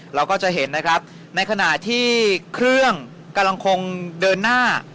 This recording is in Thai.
เราก็จะเห็นนะครับในขณะที่เครื่องกำลังคงเดินหน้า